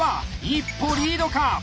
一歩リードか。